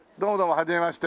はじめまして。